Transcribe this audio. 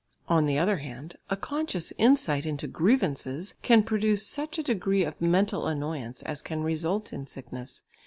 On the other hand, a conscious insight into grievances can produce such a degree of mental annoyance as can result in sickness.